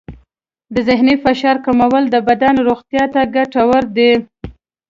د ذهني فشار کمول د بدن روغتیا ته ګټور دی.